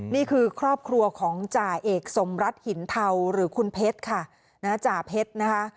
นี่คือครอบครัวของจ่าเอกสมรัฐหินเทาหรือคุณเพชรค่ะจ่าเพชรนะคะ